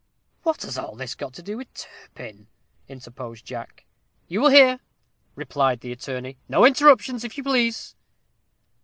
'" "What has all this got to do with Turpin?" interposed Jack. "You will hear," replied the attorney "no interruptions if you please.